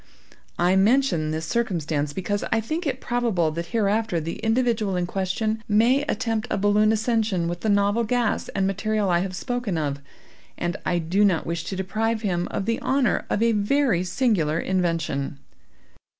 I mention this circumstance, because I think it probable that hereafter the individual in question may attempt a balloon ascension with the novel gas and material I have spoken of, and I do not wish to deprive him of the honor of a very singular invention.